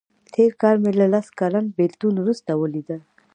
تېر کال مې له لس کلن بیلتون وروسته ولیده.